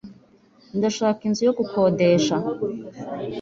Ndashaka inzu yo gukodesha.